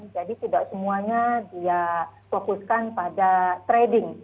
jadi tidak semuanya dia fokuskan pada trading